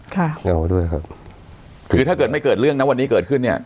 ค่ะแซวด้วยครับคือถ้าเกิดไม่เกิดเรื่องนะวันนี้เกิดขึ้นเนี่ย